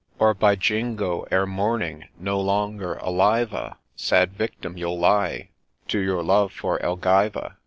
Or, by Jingo l, ere morning, no longer alive, a Sad victim you'll lie to your love for Elgiva